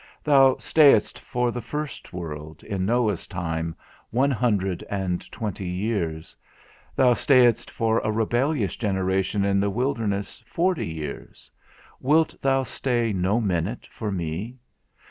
Thou stayedst for the first world, in Noah's time, one hundred and twenty years; thou stayedst for a rebellious generation in the wilderness forty years, wilt thou stay no minute for me?